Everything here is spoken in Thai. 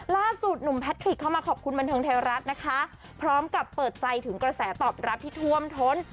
ล่าสุดหนุ่มแพทริกเข้ามาขอบคุณบันเทิงไทยรัฐนะคะพร้อมกับเปิดใจถึงกระแสตอบรับที่ท่วมท้น